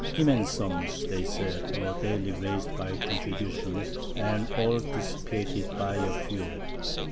"Immense sums," they said, "were daily raised by contributions, and all dissipated by a few.